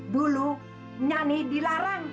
dulu nyanyi dilarang